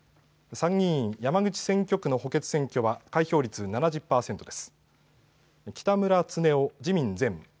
参議院山口選挙区の補欠選挙は開票率７０％です。